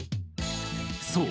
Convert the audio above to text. そう。